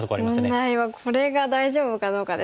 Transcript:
問題はこれが大丈夫かどうかですよね。